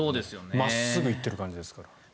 真っすぐ行っている感じですから。